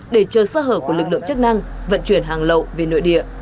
để chờ sơ hở của lực lượng chức năng vận chuyển hàng lậu về nội địa